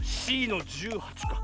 Ｃの１８か。